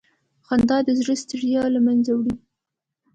خندا د زړه ستړیا له منځه وړي.